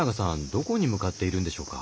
どこに向かっているんでしょうか？